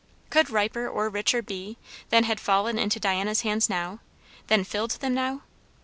Could riper or richer be, than had fallen into Diana's hands now? than filled them now?